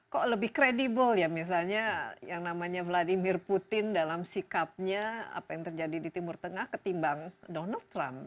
kok lebih kredibel ya misalnya yang namanya vladimir putin dalam sikapnya apa yang terjadi di timur tengah ketimbang donald trump